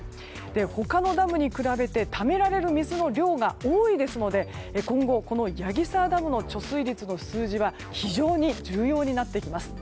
他のダムに比べてためられる水の量が多いですので、今後矢木沢ダムの貯水率の数字が非常に重要になってきます。